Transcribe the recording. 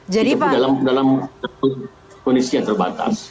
itu dalam kondisi yang terbatas